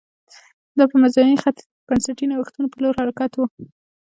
دا په منځني ختیځ کې د بنسټي نوښتونو په لور حرکت و